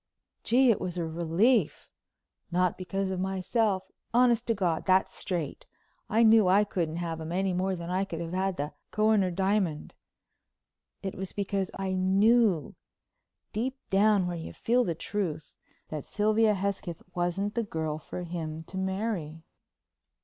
Gee, it was a relief! Not because of myself. Honest to God, that's straight. I knew I couldn't have him any more than I could have had the Kohinoor diamond. It was because I knew—deep down where you feel the truth—that Sylvia Hesketh wasn't the girl for him to marry.